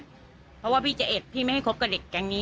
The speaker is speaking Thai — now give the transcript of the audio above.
เพราะว่าพี่จะเอ็ดพี่ไม่ให้คบกับเด็กแก๊งนี้